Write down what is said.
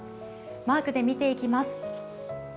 マークで見ていきます。